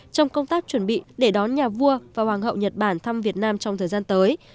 trong công tác chuẩn bị để đón nhà vua và hoàng hậu nhật bản thăm việt nam trong thời gian tới